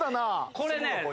これね。